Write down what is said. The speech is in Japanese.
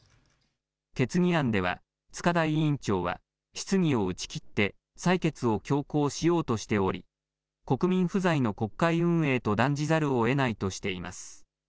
決議案では塚田委員長は質疑を打ち切って採決を強行しようとしており国民不在の国会運営と断じざるをえないとしています。